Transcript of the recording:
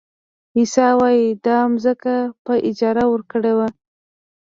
عیسی وایي دا ځمکه په اجاره ورکړې وه.